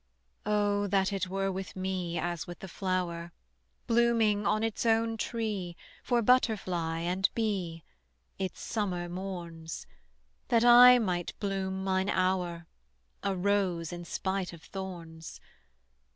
O that it were with me As with the flower; Blooming on its own tree For butterfly and bee Its summer morns: That I might bloom mine hour A rose in spite of thorns.